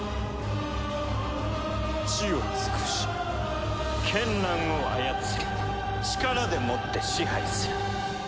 知を尽くし絢爛を操り力でもって支配する。